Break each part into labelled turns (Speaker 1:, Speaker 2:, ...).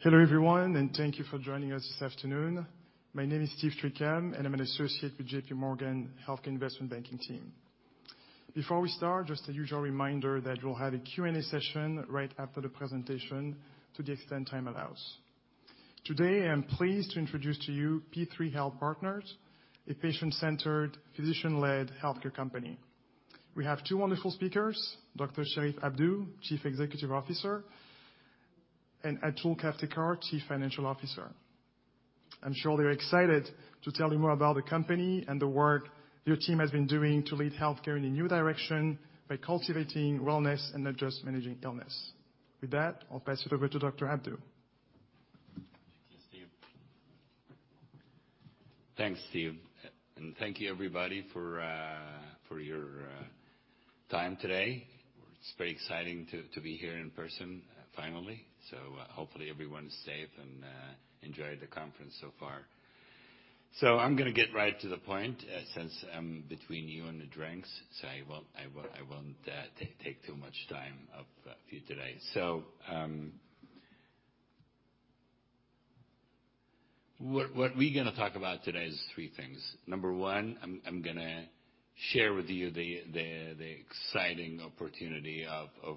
Speaker 1: Hello, everyone, thank you for joining us this afternoon. My name is Steven Tuch, and I'm an associate with J.P. Morgan Healthcare Investment Banking team. Before we start, just the usual reminder that we'll have a Q&A session right after the presentation to the extent time allows. Today, I am pleased to introduce to you P3 Health Partners, a patient-centered, physician-led healthcare company. We have two wonderful speakers, Dr. Sherif Abdou, Chief Executive Officer, and Atul Kavthekar, Chief Financial Officer. I'm sure they're excited to tell you more about the company and the work your team has been doing to lead healthcare in a new direction by cultivating wellness and not just managing illness. With that, I'll pass it over to Dr. Abdou.
Speaker 2: Thanks, Steve. Thank you everybody for your time today. It's very exciting to be here in person, finally. Hopefully everyone's safe and enjoyed the conference so far. I'm gonna get right to the point, since I'm between you and the drinks, so I won't take too much time of you today. What we're gonna talk about today is three things. Number one, I'm gonna share with you the exciting opportunity of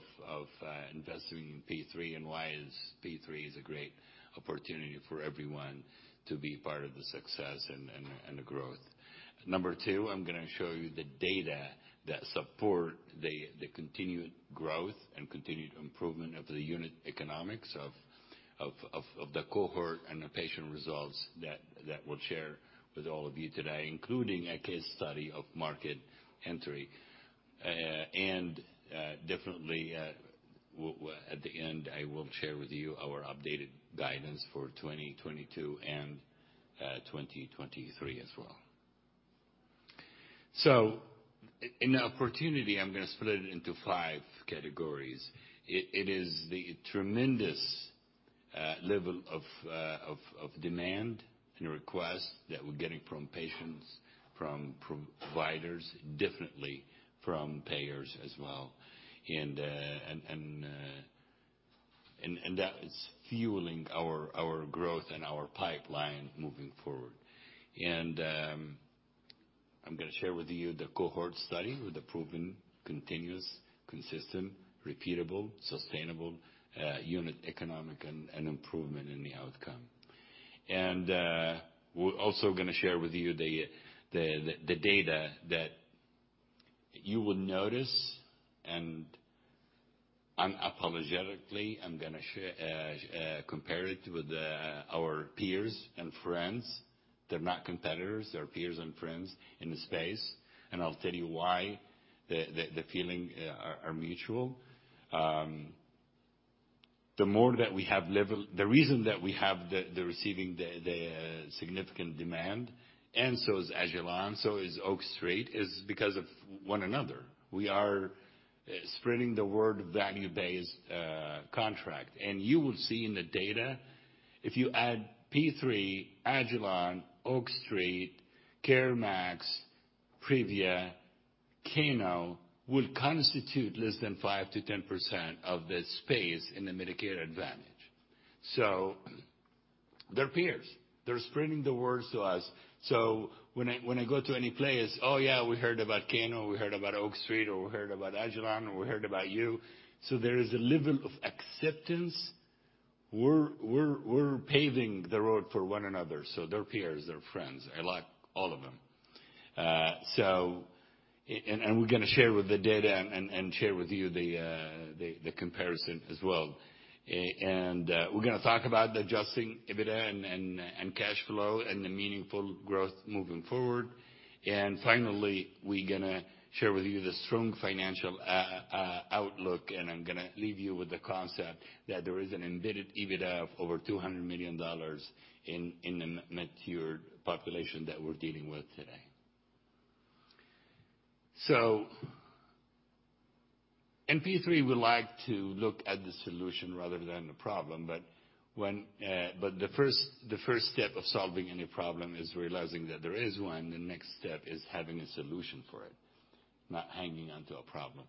Speaker 2: investing in P3 and why is P3 is a great opportunity for everyone to be part of the success and the growth. Number two, I'm gonna show you the data that support the continued growth and continued improvement of the unit economics of the cohort and the patient results that we'll share with all of you today, including a case study of market entry. Definitely, at the end, I will share with you our updated guidance for 2022 and 2023 as well. In the opportunity, I'm gonna split it into 5 categories. It is the tremendous level of demand and request that we're getting from patients, from providers, definitely from payers as well. That is fueling our growth and our pipeline moving forward. I'm gonna share with you the cohort study with the proven, continuous, consistent, repeatable, sustainable, unit economic and improvement in the outcome. We're also gonna share with you the data that you will notice, and unapologetically, I'm gonna compare it with our peers and friends. They're not competitors. They're peers and friends in the space, and I'll tell you why the feeling are mutual. The reason that we have the receiving the significant demand, and so is agilon, so is Oak Street Health, is because of one another. We are spreading the word value-based contract. You will see in the data, if you add P3, agilon, Oak Street Health, CareMax, Privia Health, Cano Health will constitute less than 5%-10% of the space in the Medicare Advantage. They're peers. They're spreading the words to us. When I go to any place, "Oh, yeah, we heard about Cano Health, we heard about Oak Street Health, or we heard about agilon, or we heard about you." There is a level of acceptance. We're paving the road for one another, so they're peers, they're friends. I like all of them. We're gonna share with the data and share with you the comparison as well. We're gonna talk about the Adjusted EBITDA and cash flow and the meaningful growth moving forward. Finally, we're gonna share with you the strong financial outlook, and I'm gonna leave you with the concept that there is an embedded EBITDA of over $200 million in the mature population that we're dealing with today. In P3, we like to look at the solution rather than the problem, but when the first step of solving any problem is realizing that there is one. The next step is having a solution for it, not hanging on to a problem.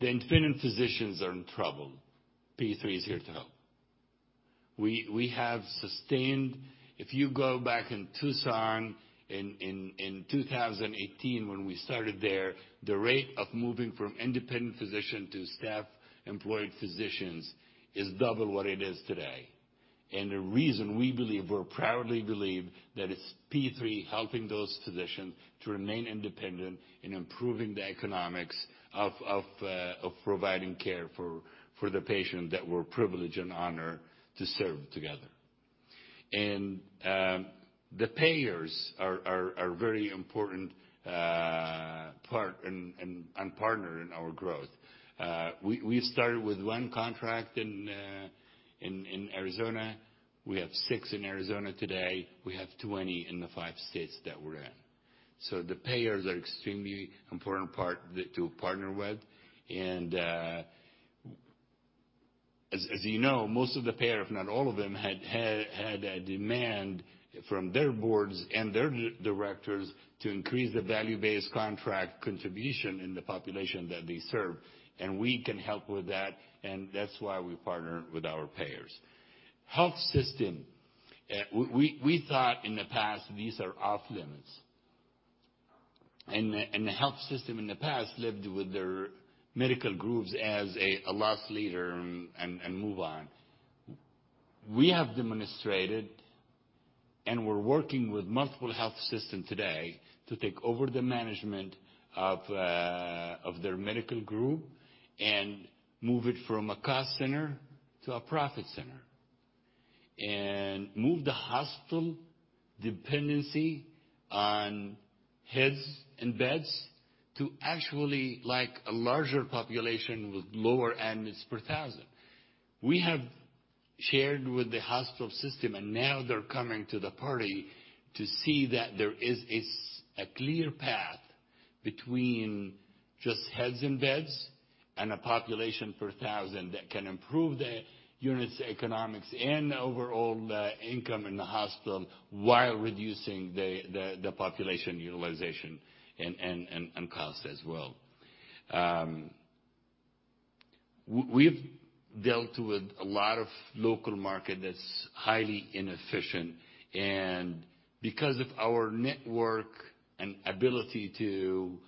Speaker 2: The independent physicians are in trouble. P3 is here to help. We have sustained. If you go back in Tucson in 2018 when we started there, the rate of moving from independent physician to staff employed physicians is double what it is today. The reason we believe, we proudly believe that it's P3 helping those physicians to remain independent in improving the economics of providing care for the patient that we're privileged and honored to serve together. The payers are very important part and partner in our growth. We started with one contract in Arizona. We have six in Arizona today. We have 20 in the five states that we're in. The payers are extremely important part to partner with. As you know, most of the payer, if not all of them, had a demand from their boards and their directors to increase the value-based contract contribution in the population that they serve. We can help with that, and that's why we partner with our payers. Health system. We thought in the past these are off-limits. The health system in the past lived with their medical groups as a loss leader and move on. We have demonstrated and we're working with multiple health system today to take over the management of their medical group and move it from a cost center to a profit center. Move the hospital dependency on heads and beds to actually like a larger population with lower admits per thousand. We have shared with the hospital system, now they're coming to the party to see that there is a clear path between just heads and beds and a population per thousand that can improve the unit's economics and overall income in the hospital while reducing the population utilization and cost as well. We've dealt with a lot of local market that's highly inefficient, and because of our network and ability to,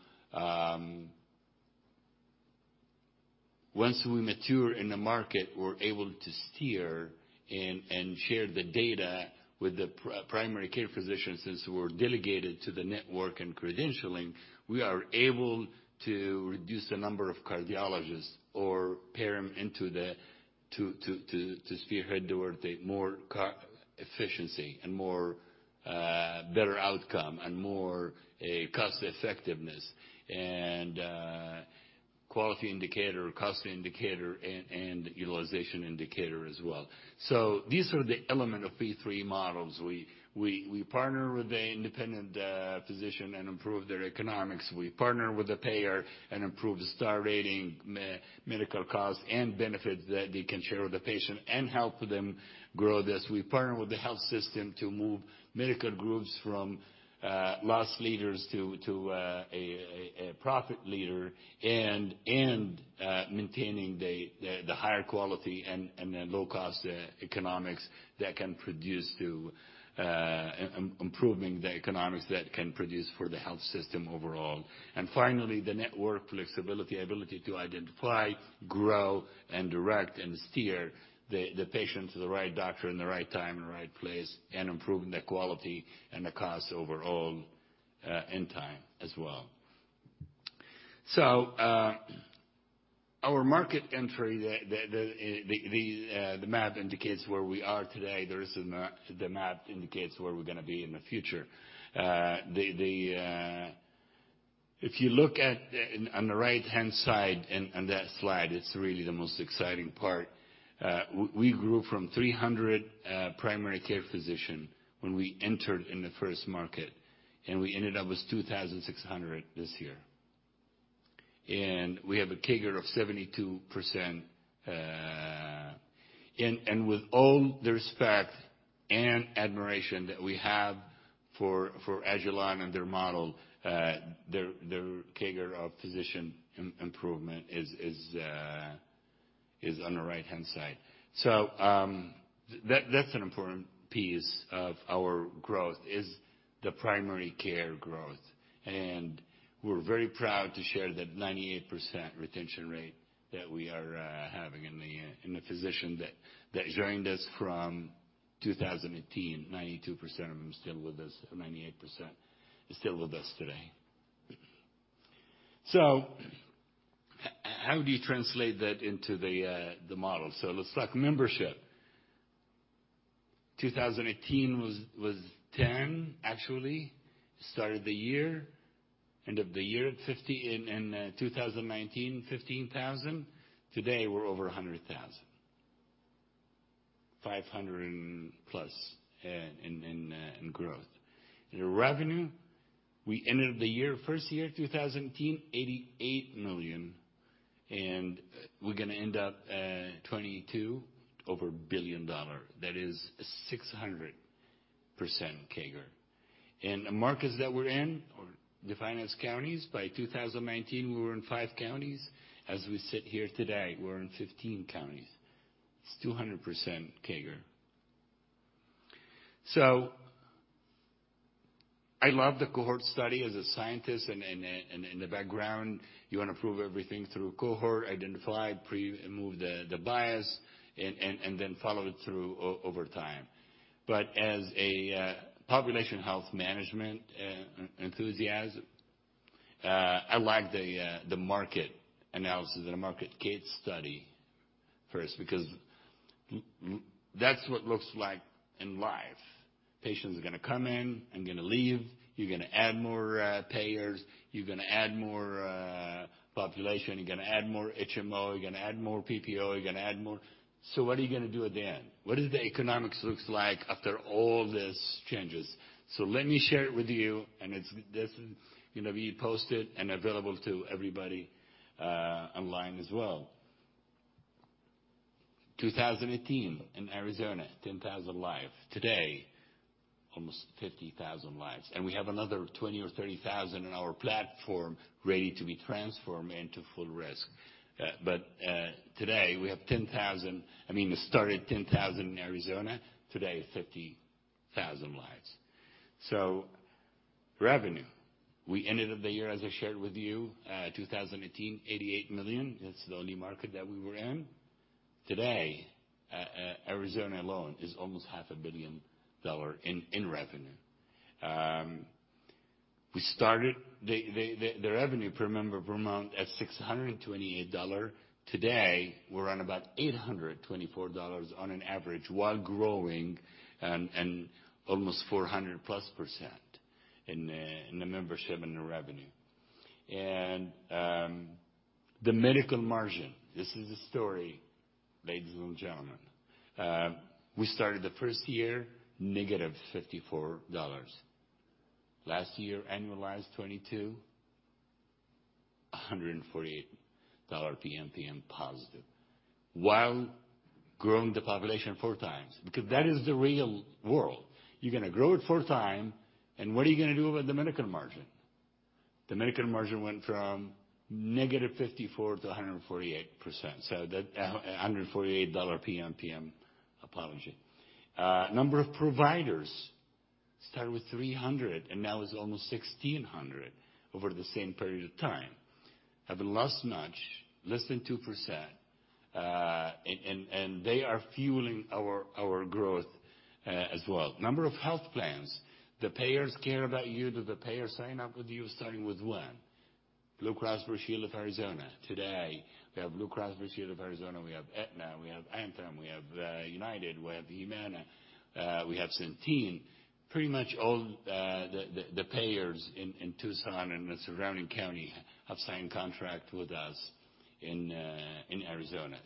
Speaker 2: Once we mature in the market, we're able to steer and share the data with the primary care physicians since we're delegated to the network and credentialing, we are able to reduce the number of cardiologists or pair them into the to spearhead toward a more efficiency and more better outcome and more cost effectiveness and quality indicator, cost indicator, and utilization indicator as well. These are the element of P3 models. We partner with the independent physician and improve their economics. We partner with the payer and improve the star rating, medical cost, and benefits that they can share with the patient and help them grow this. We partner with the health system to move medical groups from loss leaders to a profit leader and maintaining the higher quality and the low-cost economics that can produce to improving the economics that can produce for the health system overall. Finally, the network flexibility, ability to identify, grow, and direct, and steer the patient to the right doctor in the right time and the right place, and improving the quality and the cost overall, and time as well. Our market entry, the map indicates where we are today. The map indicates where we're gonna be in the future. If you look at, on the right-hand side on that slide, it's really the most exciting part. We grew from 300 primary care physician when we entered in the first market, and we ended up with 2,600 this year. We have a CAGR of 72%. With all due respect and admiration that we have for agilon health and their model, their CAGR of physician improvement is on the right-hand side. That's an important piece of our growth is the primary care growth. We're very proud to share that 98% retention rate that we are having in the physician that joined us from 2018. 92% of them still with us, or 98% is still with us today. How do you translate that into the model? Let's talk membership. 2018 was 10 actually, started the year. End of the year at 50. In 2019, 15,000. Today, we're over 100,000. 500 and plus in growth. In revenue, we ended the year, first year, 2018, $88 million, and we're gonna end up 2022 over $1 billion. That is 600% CAGR. The markets that we're in are defined as counties. By 2019, we were in 5 counties. As we sit here today, we're in 15 counties. It's 200% CAGR. I love the cohort study as a scientist in the background. You wanna prove everything through cohort, identify, move the bias and then follow it through over time. As a population health management enthusiast, I like the market analysis and the market case study first because that's what looks like in life. Patients are gonna come in and gonna leave. You're gonna add more payers. You're gonna add more population. You're gonna add more HMO. You're gonna add more PPO. You're gonna add more. What are you gonna do at the end? What does the economics looks like after all these changes? Let me share it with you, and this is gonna be posted and available to everybody online as well. 2018 in Arizona, 10,000 lives. Today, almost 50,000 lives. And we have another 20,000 or 30,000 in our platform ready to be transformed into full risk. Today we have 10,000. I mean, it started 10,000 in Arizona, today 50,000 lives. Revenue, we ended up the year, as I shared with you, 2018, $88 million. It's the only market that we were in. Today, Arizona alone is almost half a billion dollar in revenue. We started the revenue per member per month at $628. Today, we're on about $824 on an average while growing, and almost 400+% in the membership and the revenue. The medical margin, this is the story, ladies and gentlemen. We started the first year -$54. Last year, annualized 2022, $148 PMPM positive while growing the population four times. That is the real world. You're gonna grow it four time, and what are you gonna do about the medical margin? The medical margin went from -$54 to 148%. $148 PMPM. Apology. Number of providers started with 300 and now is almost 1,600 over the same period of time. Have lost much, less than 2%. They are fueling our growth as well. Number of health plans. The payers care about you. Do the payers sign up with you starting with one? Blue Cross Blue Shield of Arizona. Today, we have Blue Cross Blue Shield of Arizona. We have Aetna. We have Anthem. We have United. We have Humana. We have Centene. Pretty much all the payers in Tucson and the surrounding county have signed contract with us in Arizona.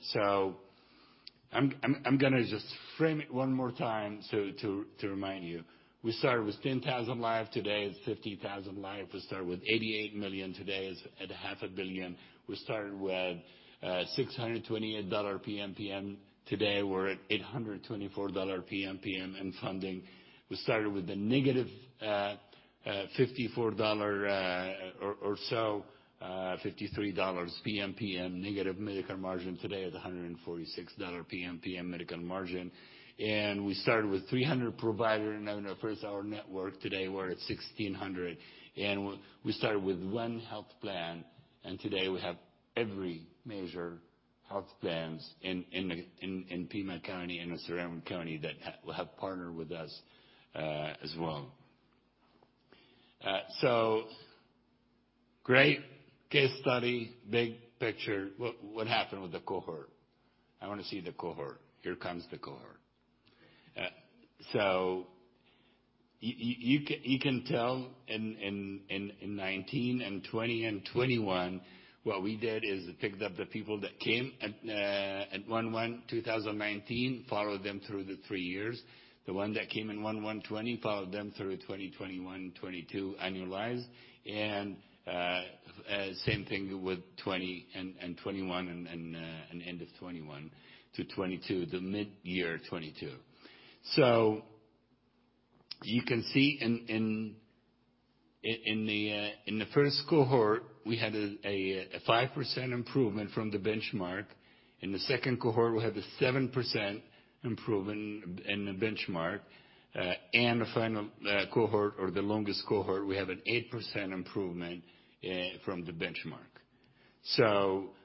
Speaker 2: I'm gonna just frame it one more time to remind you. We started with 10,000 lives. Today it's 50,000 lives. We started with $88 million. Today it's at half a billion dollars. We started with $628 PMPM. Today we're at $824 PMPM in funding. We started with a negative $54, $53 PMPM negative medical margin. Today at $146 PMPM medical margin. We started with 300 provider in our first hour network. Today we're at 1,600. We started with one health plan, and today we have every major health plans in Pima County and the surrounding county that have partnered with us as well. Great case study. Big picture. What happened with the cohort? I wanna see the cohort. Here comes the cohort. You can tell in 2019 and 2020 and 2021, what we did is picked up the people that came at 1/1 2019, followed them through the three years. The one that came in 1/1 2020, followed them through 2020, 2021, 2022 annualized. Same thing with 2020 and 2021 and end of 2021 to 2022, the mid-year 2022. You can see in the first cohort, we had a 5% improvement from the benchmark. In the second cohort, we had a 7% improvement in the benchmark. The final cohort or the longest cohort, we have an 8% improvement from the benchmark.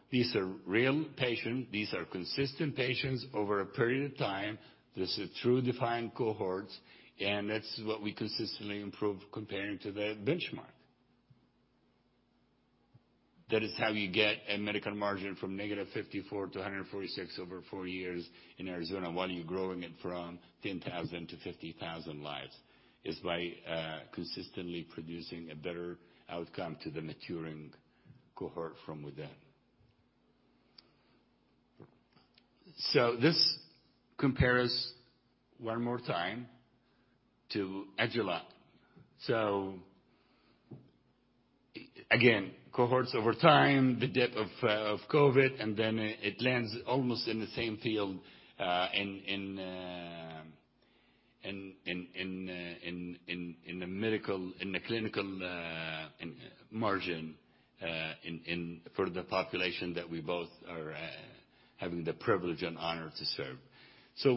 Speaker 2: These are real patient. These are consistent patients over a period of time. This is true defined cohorts, and that's what we consistently improve comparing to the benchmark. That is how you get a medical margin from -$54 -$146 over four years in Arizona while you're growing it from 10,000 to 50,000 lives, is by consistently producing a better outcome to the maturing cohort from within. This compares one more time to agilon. Again, cohorts over time, the dip of COVID, and then it lands almost in the same field in the clinical margin for the population that we both are having the privilege and honor to serve.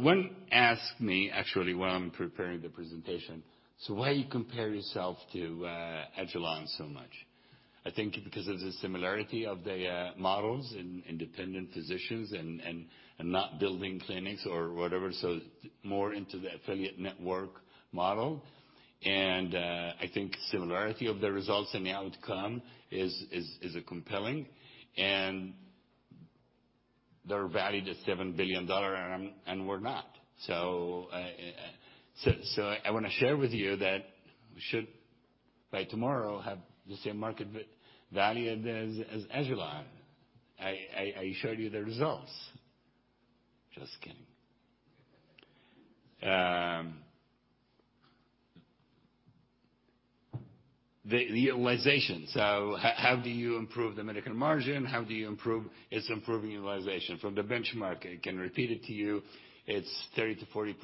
Speaker 2: One asked me actually when I'm preparing the presentation, "Why you compare yourself to agilon so much?" I think because of the similarity of the models and independent physicians and not building clinics or whatever, more into the affiliate network model. I think similarity of the results and the outcome is compelling. They're valued at $7 billion, and we're not. I wanna share with you that we should by tomorrow have the same market value as agilon. I showed you the results. Just kidding. The utilization. How do you improve the medical margin? How do you improve? It's improving utilization. From the benchmark, I can repeat it to you, it's 30%-40%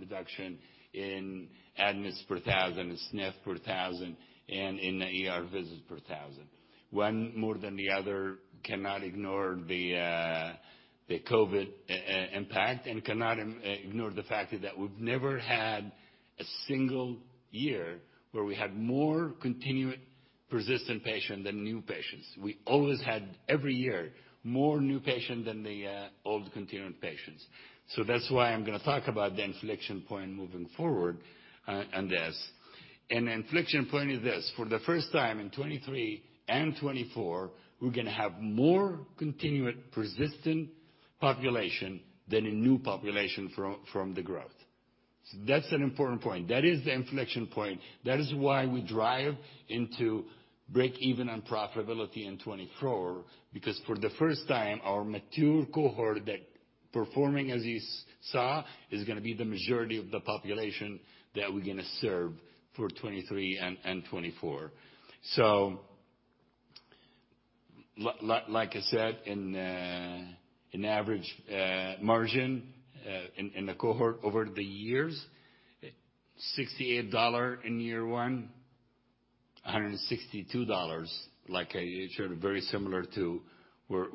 Speaker 2: reduction in admits per 1,000, SNF per 1,000, and in ER visits per 1,000. One more than the other cannot ignore the COVID impact and cannot ignore the fact that we've never had a single year where we had more continuing persistent patient than new patients. We always had, every year, more new patient than old continuing patients. That's why I'm gonna talk about the inflection point moving forward on this. The inflection point is this. For the first time in 2023 and 2024, we're gonna have more continuing persistent population than a new population from the growth. That's an important point. That is the inflection point. That is why we drive into break even unprofitability in 2024, because for the first time, our mature cohort that performing as you saw, is gonna be the majority of the population that we're gonna serve for 2023 and 2024. Like I said, in average margin in the cohort over the years, $68 in year one, $162, like I showed you, very similar to where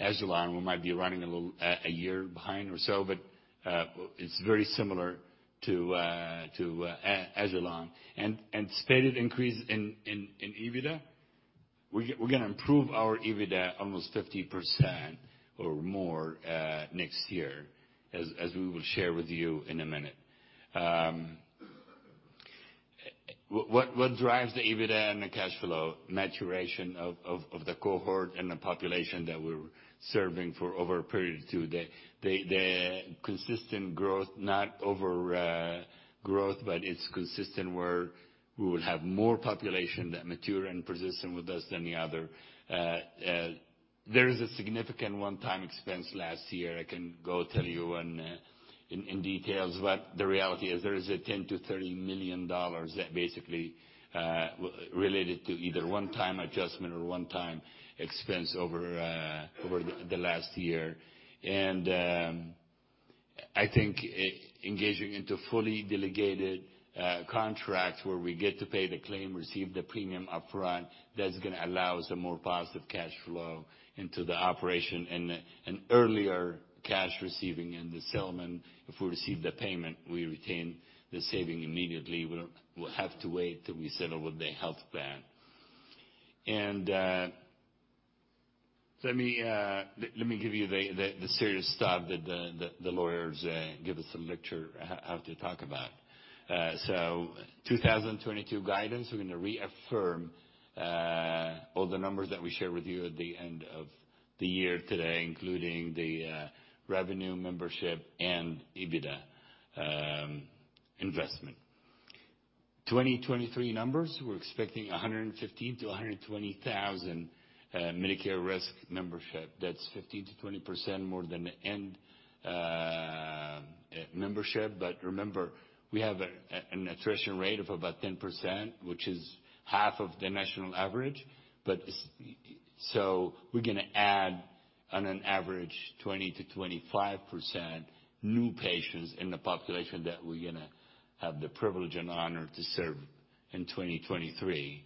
Speaker 2: agilon health might be running a little a year behind or so, but it's very similar to agilon health. Stated increase in EBITDA, we're gonna improve our EBITDA almost 50% or more next year, as we will share with you in a minute. What drives the EBITDA and the cash flow? Maturation of the cohort and the population that we're serving for over a period to the consistent growth, not over growth, but it's consistent where we will have more population that mature and persistent with us than the other. There is a significant one-time expense last year. I can go tell you when in details, but the reality is there is a $10 million-$30 million that basically related to either one time adjustment or one time expense over the last year. I think engaging into fully delegated contracts where we get to pay the claim, receive the premium upfront, that's gonna allow us a more positive cash flow into the operation and earlier cash receiving in the settlement. If we receive the payment, we retain the saving immediately. We don't have to wait till we settle with the health plan. Let me let me give you the serious stuff that the lawyers give us a lecture how to talk about. 2022 guidance, we're gonna reaffirm all the numbers that we shared with you at the end of the year today, including the revenue membership and EBITDA investment. 2023 numbers, we're expecting 115,000-120,000 Medicare risk membership. That's 15%-20% more than the end membership. Remember, we have an attrition rate of about 10%, which is half of the national average. So we're gonna add on an average 20%-25% new patients in the population that we're gonna have the privilege and honor to serve in 2023.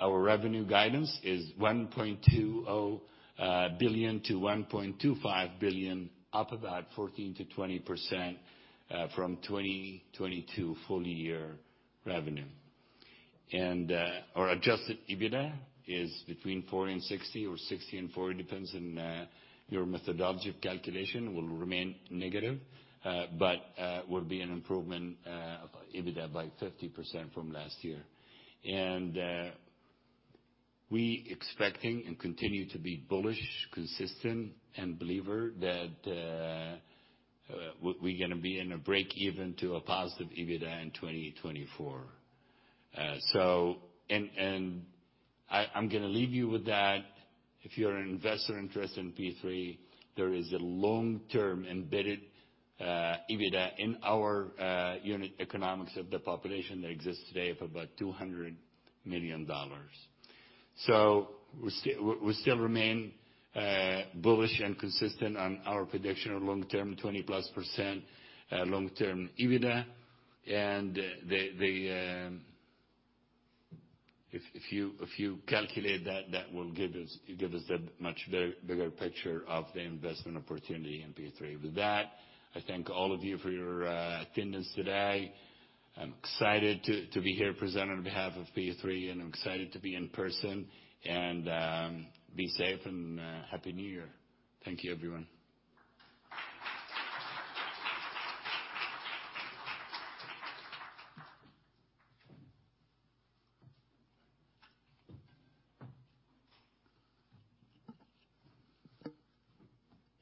Speaker 2: Our revenue guidance is $1.2 billion-$1.25 billion, up about 14%-20% from 2022 full year revenue. Our Adjusted EBITDA is between 40 and 60 or 60 and 40, depends on your methodology of calculation, will remain negative, but will be an improvement of EBITDA by 50% from last year. We expecting and continue to be bullish, consistent, and believer that we're going to be in a break even to a positive EBITDA in 2024. I'm going to leave you with that. If you're an investor interested in P3, there is a long-term embedded EBITDA in our unit economics of the population that exists today of about $200 million. We still remain bullish and consistent on our prediction of long-term 20%+ long-term EBITDA. The if you calculate that will give us a much bigger picture of the investment opportunity in P3. With that, I thank all of you for your attendance today. I'm excited to be here presenting on behalf of P3, and I'm excited to be in person and be safe and happy new year. Thank you, everyone.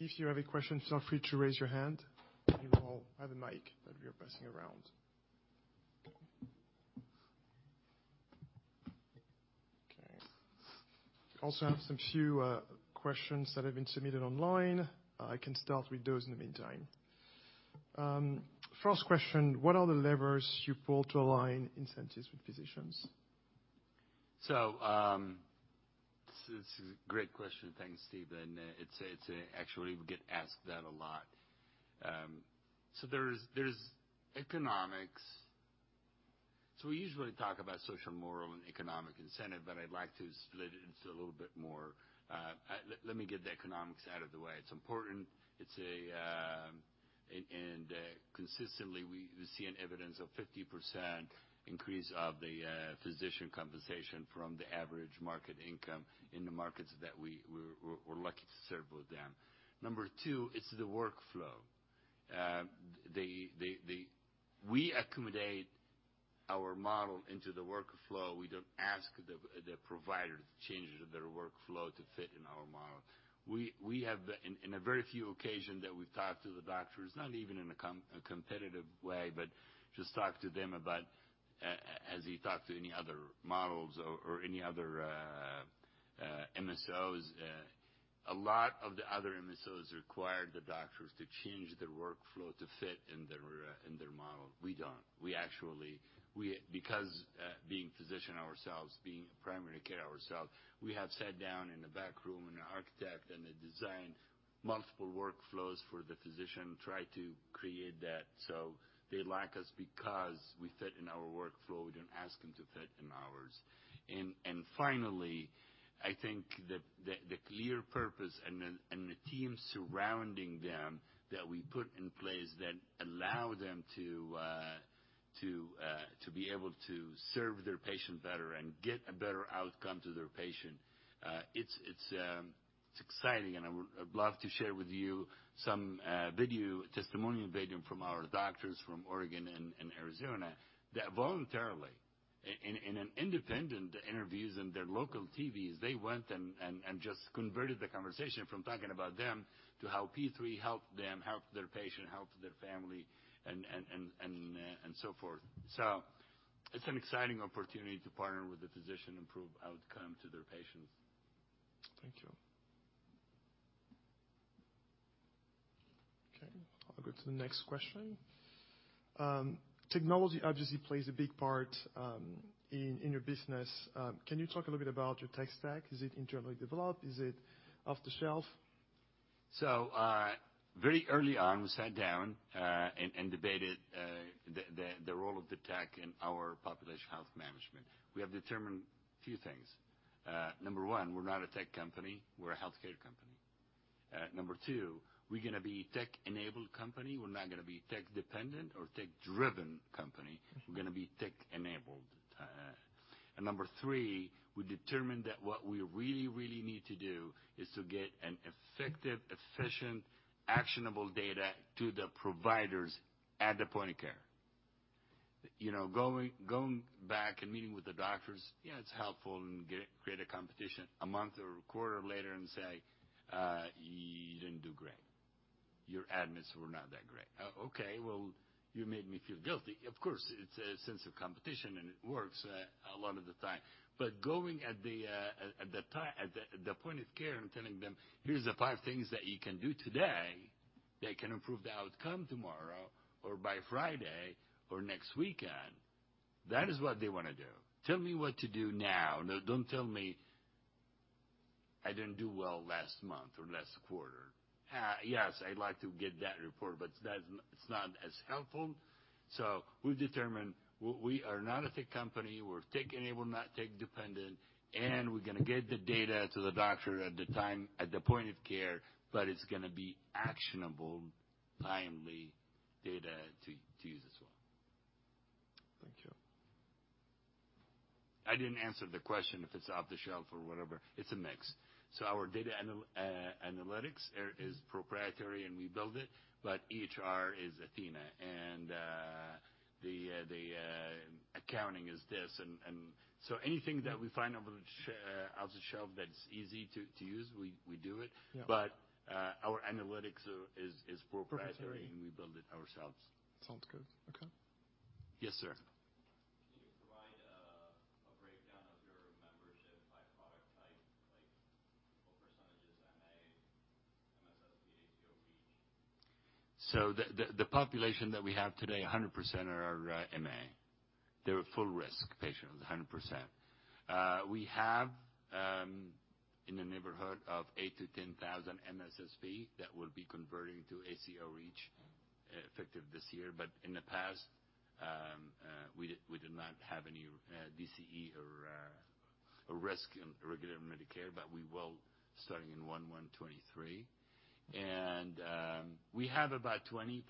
Speaker 2: If you have a question, feel free to raise your hand. You all have a mic that we are passing around.
Speaker 1: Have some few questions that have been submitted online. I can start with those in the meantime. First question, what are the levers you pull to align incentives with physicians?
Speaker 2: This is a great question. Thanks, Steven. It's actually we get asked that a lot. There's economics. We usually talk about social, moral, and economic incentive, but I'd like to split it into a little bit more. Let me get the economics out of the way. It's important. It's a. Consistently, we see an evidence of 50% increase of the physician compensation from the average market income in the markets that we're lucky to serve with them. Number 2, it's the workflow. The, we accommodate our model into the workflow. We don't ask the provider to change their workflow to fit in our model. In a very few occasion that we've talked to the doctors, not even in a competitive way, but just talk to them about as you talk to any other models or any other MSOs, a lot of the other MSOs require the doctors to change their workflow to fit in their model. We don't. We actually. Because being physician ourselves, being primary care ourselves, we have sat down in the back room with an architect, and they design multiple workflows for the physician, try to create that, so they like us because we fit in our workflow. We don't ask them to fit in ours. Finally, I think the clear purpose and the team surrounding them that we put in place that allow them to be able to serve their patient better and get a better outcome to their patient, it's exciting, and I would love to share with you some video, testimonial video from our doctors from Oregon and Arizona that voluntarily, in an independent interviews in their local TVs, they went and just converted the conversation from talking about them to how P3 helped them, helped their patient, helped their family, and so forth. It's an exciting opportunity to partner with the physician, improve outcome to their patients.
Speaker 1: Thank you. Okay, I'll go to the next question. Technology obviously plays a big part in your business. Can you talk a little bit about your tech stack? Is it internally developed? Is it off-the-shelf?
Speaker 2: Very early on, we sat down and debated the role of the tech in our population health management. We have determined a few things. Number one, we're not a tech company. We're a healthcare company. Number two, we're gonna be tech-enabled company. We're not gonna be tech-dependent or tech-driven company. We're gonna be tech-enabled. Number three, we determined that what we really need to do is to get an effective, efficient, actionable data to the providers at the point of care. You know, going back and meeting with the doctors, yeah, it's helpful and create a competition a month or a quarter later and say, "You didn't do great. Your admits were not that great." Okay, well, you made me feel guilty. Of course, it's a sense of competition, and it works a lot of the time. Going at the point of care and telling them, "Here's the five things that you can do today that can improve the outcome tomorrow or by Friday or next weekend," that is what they wanna do. Tell me what to do now. No, don't tell me I didn't do well last month or last quarter. Yes, I like to get that report, but it's not as helpful. We determined we are not a tech company. We're tech-enabled, not tech-dependent, and we're gonna get the data to the doctor at the time, at the point of care, but it's gonna be actionable, timely data to use as well.
Speaker 1: Thank you.
Speaker 2: I didn't answer the question, if it's off-the-shelf or whatever. It's a mix. Our data analytics is proprietary, and we build it, but EHR is athenahealth. The accounting is this. Anything that we find off the shelf that's easy to use, we do it.
Speaker 1: Yeah.
Speaker 2: Our analytics is proprietary.
Speaker 1: Proprietary.
Speaker 2: We build it ourselves.
Speaker 1: Sounds good. Okay.
Speaker 2: Yes, sir.
Speaker 1: Can you provide a breakdown of your membership by product type? Like what % is MA, MSSP, ACO REACH?
Speaker 2: The population that we have today, 100% are MA. They're full risk patients, 100%. We have in the neighborhood of 8,000-10,000 MSSP that will be converting to ACO Reach effective this year. In the past, we did not have any DCE or risk in regular Medicare, but we will starting in 1/1/2023. We have about 20,000+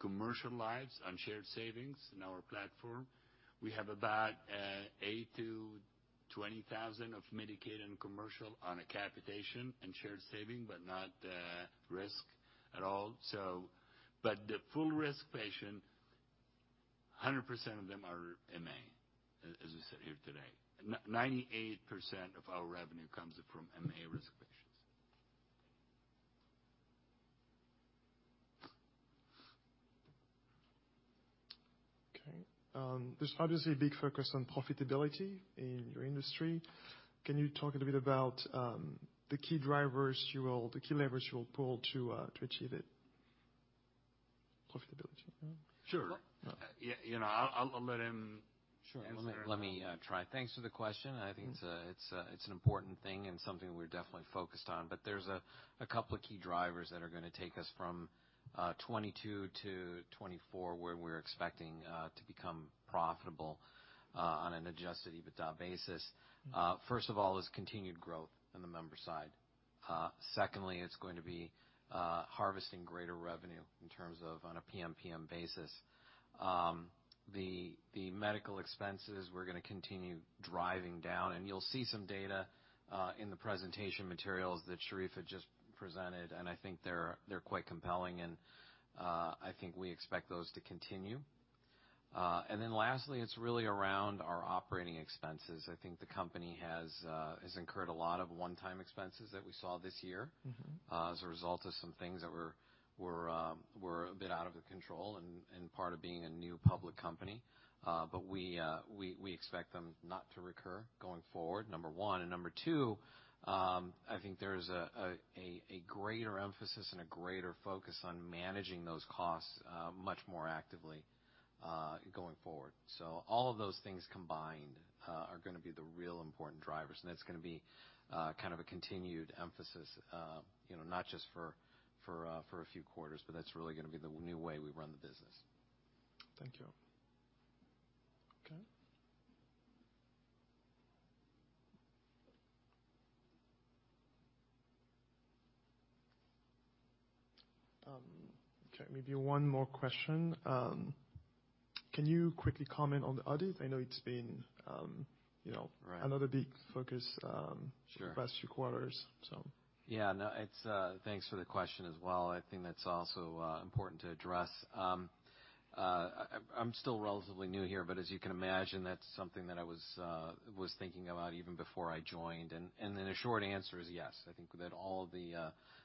Speaker 2: commercial lives on shared savings in our platform. We have about 8,000-20,000 of Medicaid and commercial on a capitation and shared saving, but not risk at all. The full risk patient, 100% of them are MA, as we sit here today. 98% of our revenue
Speaker 1: Okay. There's obviously a big focus on profitability in your industry. Can you talk a little bit about the key levers you will pull to achieve it? Profitability. Yeah.
Speaker 2: Sure.
Speaker 3: Well-
Speaker 2: Yeah, you know, I'll let him-.
Speaker 3: Sure.
Speaker 2: Answer.
Speaker 3: Let me try. Thanks for the question. I think it's an important thing and something we're definitely focused on. There's a couple of key drivers that are gonna take us from 2022 to 2024, where we're expecting to become profitable on an adjusted EBITDA basis. First of all, is continued growth in the member side. Secondly, it's gonna be harvesting greater revenue in terms of on a PMPM basis. The medical expenses, we're gonna continue driving down, and you'll see some data in the presentation materials that Sherif had just presented, and I think they're quite compelling and I think we expect those to continue. Lastly, it's really around our operating expenses. I think the company has incurred a lot of one-time expenses that we saw this year.
Speaker 1: Mm-hmm
Speaker 3: ...as a result of some things that were a bit out of the control and part of being a new public company. We expect them not to recur going forward, number one. Number two, I think there's a greater emphasis and a greater focus on managing those costs much more actively going forward. All of those things combined are gonna be the real important drivers, and it's gonna be kind of a continued emphasis, you know, not just for a few quarters, but that's really gonna be the new way we run the business.
Speaker 1: Thank you. Okay, maybe one more question. Can you quickly comment on the audit? I know it's been, you know-
Speaker 3: Right
Speaker 1: ...another big focus.
Speaker 3: Sure
Speaker 1: ...the past few quarters, so.
Speaker 3: Yeah, no, it's. Thanks for the question as well. I think that's also important to address. I'm still relatively new here, but as you can imagine, that's something that I was thinking about even before I joined. The short answer is yes, I think that all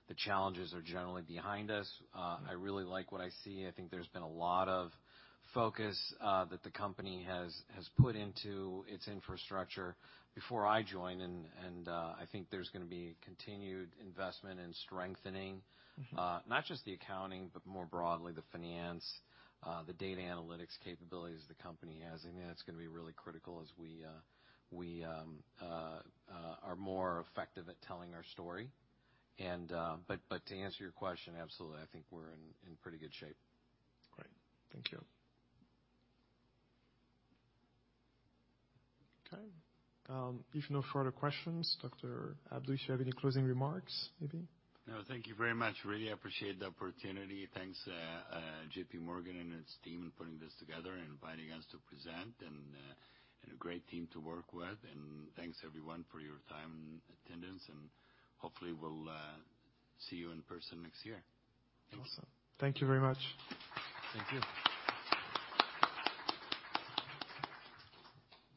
Speaker 3: the challenges are generally behind us. I really like what I see. I think there's been a lot of focus that the company has put into its infrastructure before I joined, and I think there's going to be continued investment in strengthening-
Speaker 1: Mm-hmm...
Speaker 3: not just the accounting, but more broadly the finance, the data analytics capabilities the company has. I think that's gonna be really critical as we are more effective at telling our story. But to answer your question, absolutely, I think we're in pretty good shape.
Speaker 1: Great. Thank you. Okay. If no further questions, Dr. Abdou, do you have any closing remarks maybe?
Speaker 2: No, thank you very much. Really appreciate the opportunity. Thanks, J.P. Morgan and its team in putting this together and inviting us to present and a great team to work with. Thanks everyone for your time and attendance, and hopefully we'll see you in person next year.
Speaker 1: Awesome. Thank you very much.
Speaker 2: Thank you.